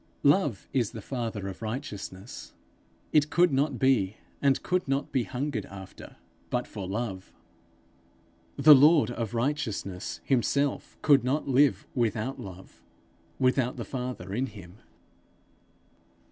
Love is the father of righteousness. It could not be, and could not be hungered after, but for love. The lord of righteousness himself could not live without Love, without the Father in him.